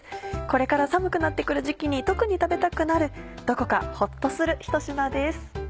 これから寒くなって来る時期に特に食べたくなるどこかホッとするひと品です。